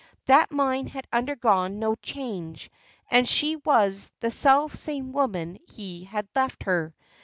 That mind had undergone no change; and she was the self same woman he had left her.